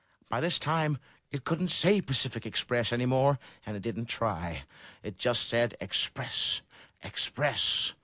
By this time it couldn't say Tacific Express' any more, and it didn't try. It just said 'Express! Express!'